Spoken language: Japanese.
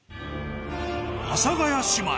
阿佐ヶ谷姉妹